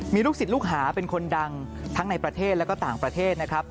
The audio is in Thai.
มีลูกศิษย์ลูกหาเป็นคนดังทั้งในประเทศและก็ต่างประเทศนะครับ